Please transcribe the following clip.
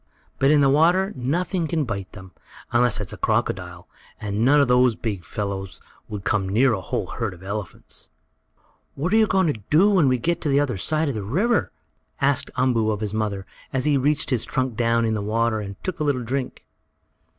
But in the water nothing can bite them, unless it's a crocodile, and none of those big fellows would come near a whole herd of elephants. "What are we going to do when we get on the other side of the river?" asked Umboo of his mother, as he reached his trunk down in the water and took a little drink.